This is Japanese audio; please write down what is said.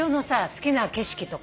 好きな景色とかない？